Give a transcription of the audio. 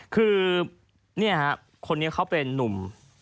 คือนี่ฮะคนนี้เขาเป็นนุ่ม